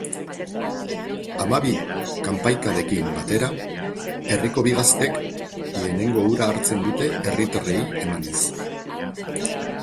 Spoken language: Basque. Hamabi kanpaikadekin batera, herriko bi gaztek lehenengo ura hartzen dute herritarrei emanez.